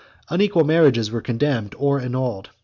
Unequal marriages were condemned or annulled.